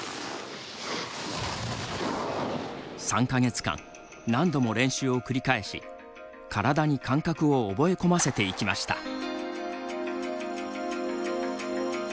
３か月間何度も練習を繰り返し体に感覚を覚え込ませていきました。